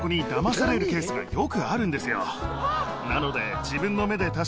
なので。